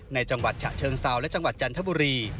จังหวัดฉะเชิงเซาและจังหวัดจันทบุรี